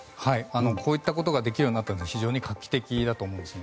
こういったことができるようになったのは非常に画期的だと思います。